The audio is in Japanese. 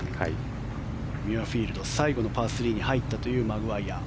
ミュアフィールド最後のパー３に入ったというマグワイヤ。